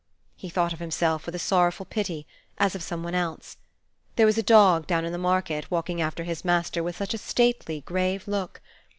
He thought of himself with a sorrowful pity, as of some one else. There was a dog down in the market, walking after his master with such a stately, grave look!